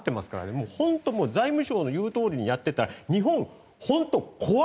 もう本当財務省の言うとおりにやってたら日本本当壊れますよ。